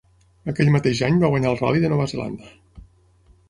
Aquell mateix any va guanyar el Ral·li de Nova Zelanda.